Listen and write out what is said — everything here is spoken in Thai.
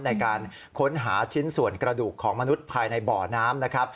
ในการค้นหาชิ้นส่วนกระดูกของมนุษย์ภายในบ่อน้ำนะครับ